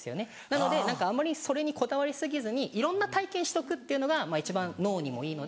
なので何かあんまりそれにこだわり過ぎずにいろんな体験しとくっていうのが一番脳にもいいので。